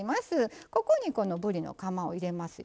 ここにこのぶりのカマを入れますよ。